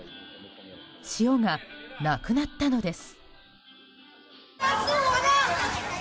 塩がなくなったのです。